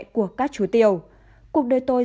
của các chú tiểu cuộc đời tôi